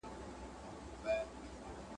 یو ځل مي جهان ته وکتل او بیا مي !.